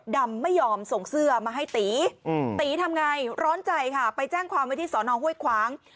ดำไม่ยอมส่งเสื้อมาให้ตีตีทำไงร้อนใจค่ะไปแจ้งความไว้ที่สอนองห้วยขวาง